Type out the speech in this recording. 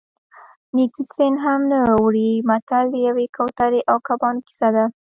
نیکي سین هم نه وړي متل د یوې کوترې او کبانو کیسه ده